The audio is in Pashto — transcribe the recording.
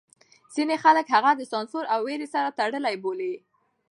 ځینې خلک هغه د سانسور او وېرې سره تړلی بولي.